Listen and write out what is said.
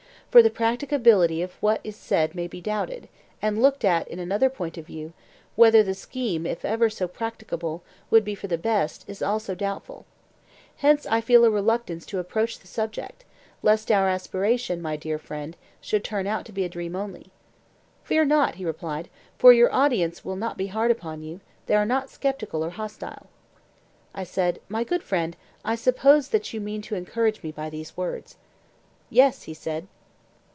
For the practicability of what is said may be doubted; and looked at in another point of view, whether the scheme, if ever so practicable, would be for the best, is also doubtful. Hence I feel a reluctance to approach the subject, lest our aspiration, my dear friend, should turn out to be a dream only. Fear not, he replied, for your audience will not be hard upon you; they are not sceptical or hostile. I said: My good friend, I suppose that you mean to encourage me by these words. Yes, he said.